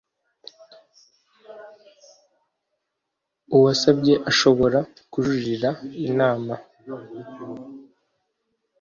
uwasabye ashobora kujuririra inama